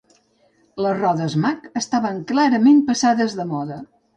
Les rodes Mag estaven clarament passades de moda.